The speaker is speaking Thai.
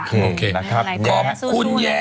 คือโอเคนะครับขอบคุณแย้